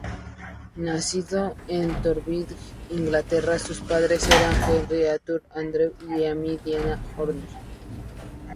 Nacido en Tonbridge, Inglaterra, sus padres eran Henry Arthur Andrews y Amy Diana Horner.